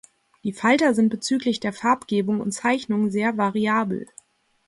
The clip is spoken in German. Die Falter sind bezüglich der Farbgebung und Zeichnung sehr variabel.